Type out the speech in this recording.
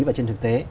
và trên thực tế